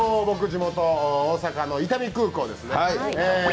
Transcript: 僕、地元・大阪の伊丹空港ですね。